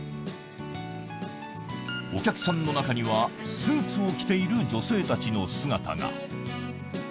お客さんの中にはスーツを着ている女性たちの姿が。